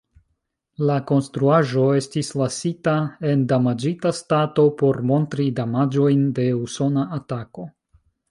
La konstruaĵo estis lasita en damaĝita stato, por montri damaĝojn de usona atako.